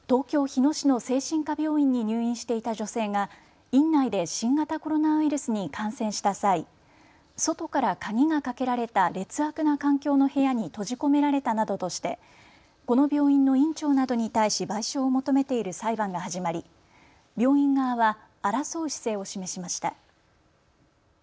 日野市の精神科病院に入院していた女性が院内で新型コロナウイルスに感染した際、外から鍵がかけられた劣悪な環境の部屋に閉じ込められたなどとしてこの病院の院長などに対し賠償を求めている裁判が始まり病院側は争う姿勢を示しました。